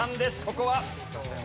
ここは。